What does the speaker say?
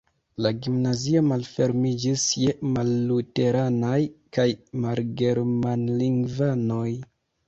La gimnazio malfermiĝis je malluteranaj kaj malgermanlingvanoj.